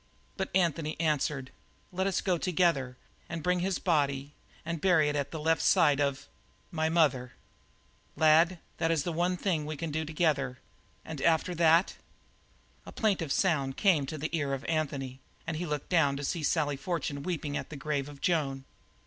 But Anthony answered: "Let us go together and bring his body and bury it at the left side of my mother." "Lad, it is the one thing we can do together, and after that?" A plaintive sound came to the ear of Anthony, and he looked down to see Sally Fortune weeping at the grave of Joan.